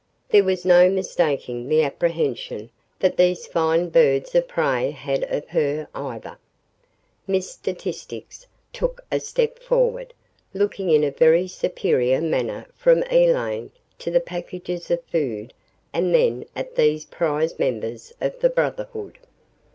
There was no mistaking the apprehension that these fine birds of prey had of her, either. Miss Statistix took a step forward, looking in a very superior manner from Elaine to the packages of food and then at these prize members of the Brotherhood.